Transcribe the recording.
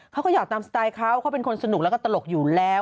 เขาก็อยากตามสไตล์เขาเขาเป็นคนสนุกแล้วก็ตลกอยู่แล้ว